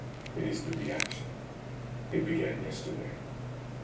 It is the reaction. It began yesterday.